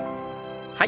はい。